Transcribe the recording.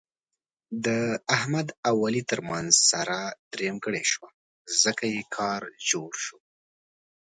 د احمد او علي ترمنځ ساره درېیمګړې شوه، ځکه یې کار جوړ شو.